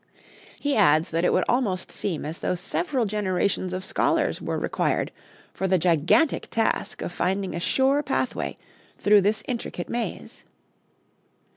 He adds that it would almost seem as though several generations of scholars were required for the gigantic task of finding a sure pathway through this intricate maze.